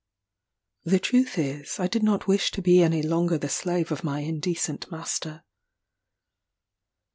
The truth is, I did not wish to be any longer the slave of my indecent master.